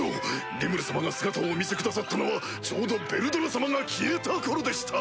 リムル様が姿をお見せくださったのはちょうどヴェルドラ様が消えた頃でした！